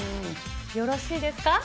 よろしいですか？